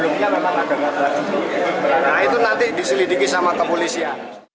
nah itu nanti diselidiki sama kepolisian